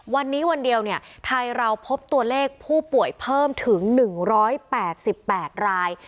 วันนี้วันเดียวเนี่ยไทยเราพบตัวเลขผู้ป่วยเพิ่มถึง๑๘๘ราย